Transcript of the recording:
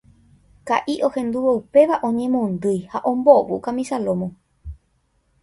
Ka'i ohendúvo upéva oñemondýi ha ombovu kamisa lómo.